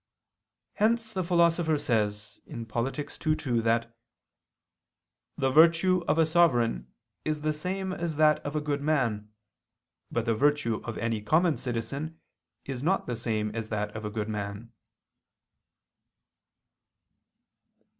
Hence the Philosopher says (Polit. ii, 2) that "the virtue of a sovereign is the same as that of a good man, but the virtue of any common citizen is not the same as that of a good man."